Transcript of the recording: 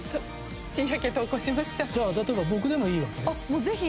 じゃあ例えば僕でもいいわけ？